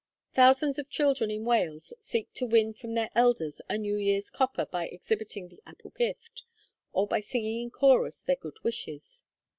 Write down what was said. Thousands of children in Wales seek to win from their elders a New Year's copper by exhibiting the apple gift, or by singing in chorus their good wishes.